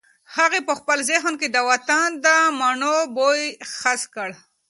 هغې په خپل ذهن کې د وطن د مڼو بوی حس کړ.